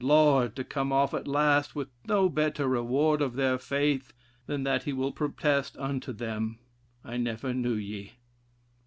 Lord!' to come off at last with no better reward of their faith than that he will protest unto them, I never knew ye.